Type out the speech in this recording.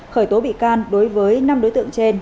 khởi tố bị can đối với năm đối tượng trên